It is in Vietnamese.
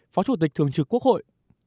phó chủ tịch thường trực quốc hội